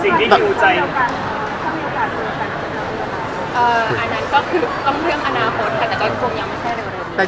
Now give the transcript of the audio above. งานแล้วก็แบบ